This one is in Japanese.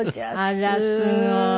あらすごい。